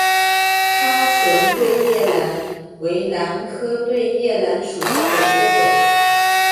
叉唇对叶兰为兰科对叶兰属下的一个种。